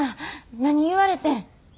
何言われてん？